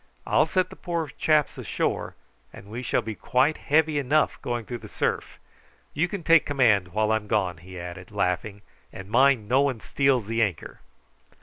"I'll set the poor chaps ashore, and we shall be quite heavy enough going through the surf. You can take command while I'm gone," he added, laughing; "and mind no one steals the anchor."